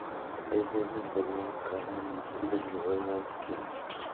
La distancia a Boñar, cabecera del municipio es alrededor de once kilómetros.